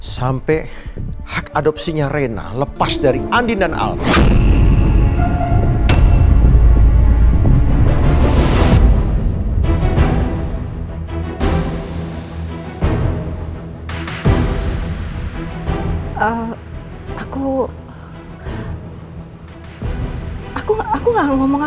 sampai jumpa di video selanjutnya